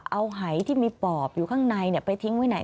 เอาหายที่มีปอบอยู่ข้างในไปทิ้งไว้ไหน